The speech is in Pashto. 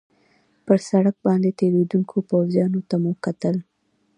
پر سړک باندې تېرېدونکو پوځیانو ته مو کتل.